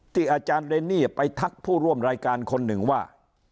อาจารย์เรนนี่ไปทักผู้ร่วมรายการคนหนึ่งว่า